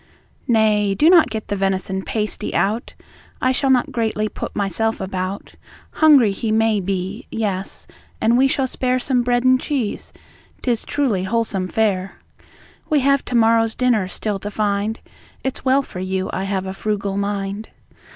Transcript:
Nay, do not get the venison pasty out; I shall not greatly put myself about Hungry, he may be; yes, and we shall spare Some bread and cheese, 'tis truly whole some fare. We have to morrow's dinner still to find; It's well for you I have a frugal mind.